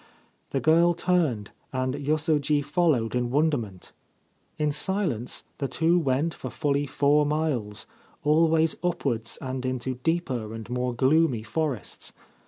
The girl turned, and Yosoji followed in wonderment. In silence the two went for fully four miles, always upwards and into deeper and more gloomy forests.